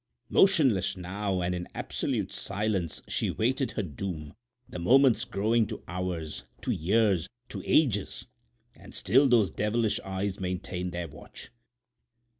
Motionless now and in absolute silence, she awaited her doom, the moments growing to hours, to years, to ages; and still those devilish eyes maintained their watch.